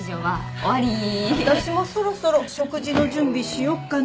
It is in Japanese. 私もそろそろ食事の準備しよっかな。